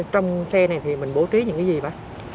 trong xe này thì mình bổ trí những cái gì đó